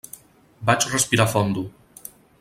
Vaig respirar fondo.